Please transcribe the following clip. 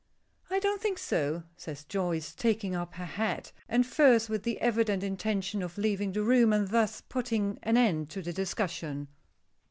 "I don't think so," says Joyce, taking up her hat and furs with the evident intention of leaving the room, and thus putting an end to the discussion.